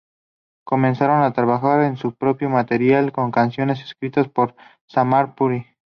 Comenzaron a trabajar en su propio material con canciones escritas por Samar Puri.